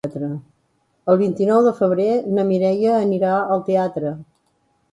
El vint-i-nou de febrer na Mireia anirà al teatre.